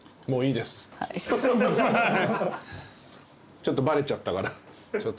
ちょっとバレちゃったから。